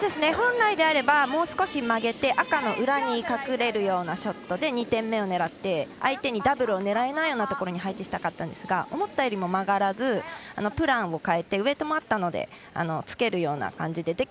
本来であればもう少し曲げて赤の裏に隠れるようなショットで２点目を狙って相手にダブルを狙えない位置に配置したかったんですが思ったよりも曲がらずプランを変えてウエートもあったのでつけるような感じで。